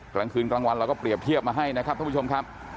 กลางคืนกลางวันเราก็เปรียบเทียบมาให้นะครับท่านผู้ชมครับ